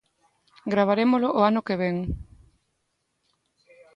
Gravarémolo o ano que ven.